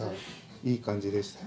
いい感じでしたよ。